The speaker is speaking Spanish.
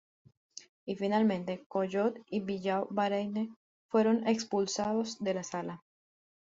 Y finalmente Collot y Billaud-Varenne fueron expulsados de la sala.